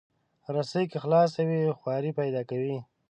رسۍ که خلاصه وي، خواری پیدا کوي.